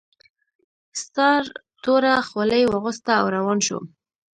ستار توره خولۍ واغوسته او روان شو